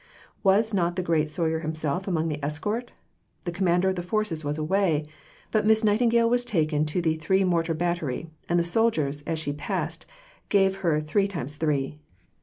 Was not the great Soyer himself among the escort? The Commander of the Forces was away, but Miss Nightingale was taken to the Three Mortar Battery, and the soldiers, as she passed, gave her three times three.